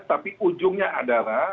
tapi ujungnya adalah